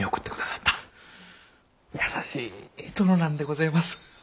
優しい殿なんでごぜます。